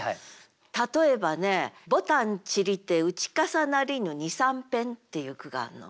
例えばね「牡丹散りて打かさなりぬ二三片」っていう句があんの。